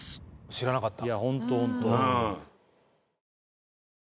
知らなかったいや